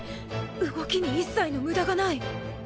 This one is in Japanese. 動きに一切の無駄がない。